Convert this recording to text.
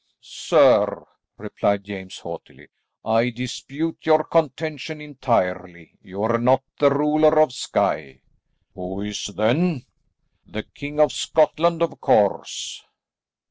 "Sir," replied James haughtily, "I dispute your contention entirely. You are not the ruler of Skye." "Who is then?" "The King of Scotland, of course."